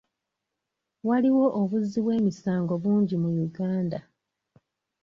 Waliwo obuzzi bw'emisango bungi mu Uganda.